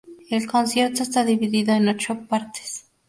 El concierto está dividido en ocho partes.